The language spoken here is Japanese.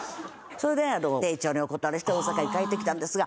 それで丁重にお断りして大阪へ帰ってきたんですが